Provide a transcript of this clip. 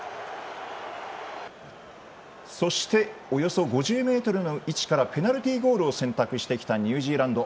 そして、およそ５０ｍの位置からペナルティーゴールを選択してきたニュージーランド。